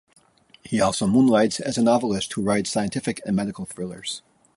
He also moonlights as a novelist who writes scientific and medical thrillers.